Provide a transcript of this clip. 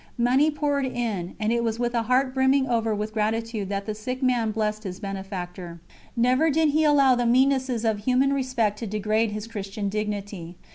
Money poured in, and it was with a heart brimming over with gratitude that the sick man blessed his benefactor. Never did he allow the meannesses of human respect to degrade his Christian dignity.